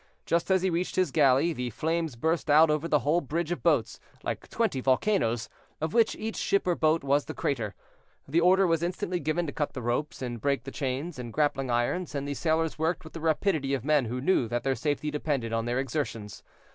Just as he reached his galley, the flames burst out over the whole bridge of boats, like twenty volcanoes, of which each ship or boat was the crater; the order was instantly given to cut the ropes and break the chains and grappling irons, and the sailors worked with the rapidity of men who knew that their safety depended on their exertions.